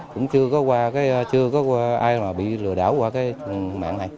cũng chưa có ai mà bị lừa đảo qua cái mạng này